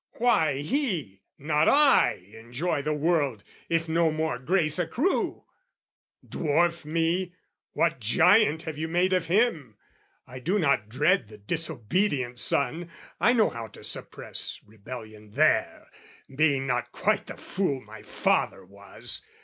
why he, not I, Enjoy the world, if no more grace accrue? Dwarf me, what giant have you made of him? I do not dread the disobedient son I know how to suppress rebellion there, Being not quite the fool my father was.